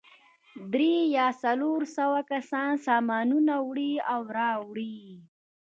درې یا څلور سوه کسان سامانونه وړي او راوړي.